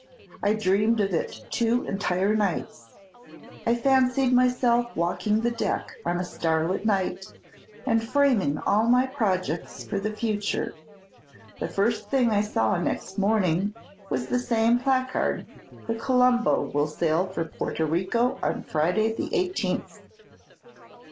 I dreamed of it two entire nights. I fancied myself walking the deck on a starlit night, and framing all my projects for the future. The first thing I saw next morning was the same placard, 'The "Colombo" will sail for Porto Rico on Friday, the eighteenth.'"